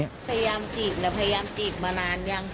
พยายามจีบนะพยายามจีบมานานยัง